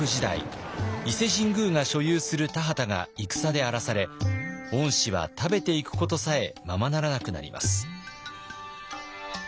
伊勢神宮が所有する田畑が戦で荒らされ御師は食べていくことさえままならなくなります。